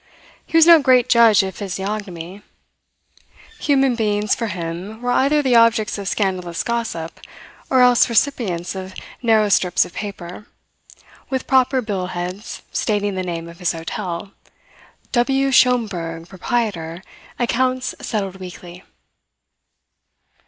He was no great judge of physiognomy. Human beings, for him, were either the objects of scandalous gossip or else recipients of narrow strips of paper, with proper bill heads stating the name of his hotel "W. Schomberg, proprietor, accounts settled weekly."